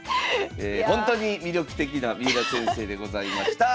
ほんとに魅力的な三浦先生でございました。